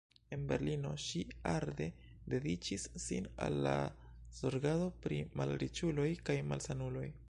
En Berlino ŝi arde dediĉis sin al la zorgado pri malriĉuloj kaj malsanuloj.